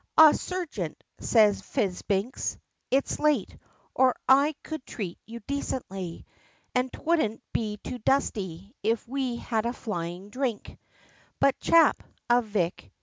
"Ah! Sergeant," said Fitz Binks, "It's late, or I could treat you decently, And 'twouldn't be too dusty, if we had a flying drink; But Chap, of Vic.